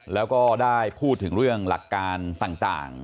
แล้วก็ได้พูดถึงเรื่องหลักการต่าง